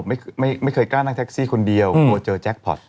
ไม่เคยกล้านั่งแท็กซี่คนเดียวกลัวเจอแจ็คพอร์ต